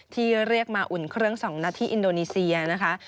ที่เรียกมาอุ่นเครื่อง๒นัดที่อินโดนีเซียนะคะ